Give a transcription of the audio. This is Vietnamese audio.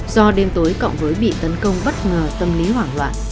do đêm tối cộng với bị tấn công bất ngờ tâm lý hoảng loạn